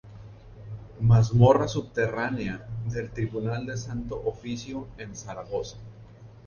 Mazmorra subterránea del Tribunal del Santo Oficio en Zaragoza.